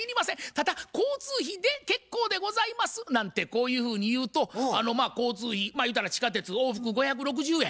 ただ交通費で結構でございます」なんてこういうふうに言うと交通費ゆうたら地下鉄往復５６０円